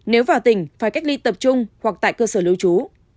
nếu vào tỉnh phải cách ly tập trung hoặc tại cơ sở lưu trú